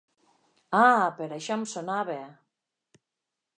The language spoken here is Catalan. Ah, per això em sonava...